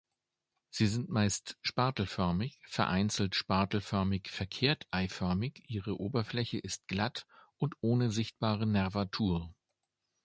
Sie sind meist spatelförmig, vereinzelt spatelförmig-verkehrt-eiförmig; ihre Oberfläche ist glatt und ohne sichtbare Nervatur.